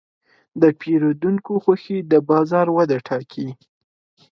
د پیرودونکو خوښي د بازار وده ټاکي.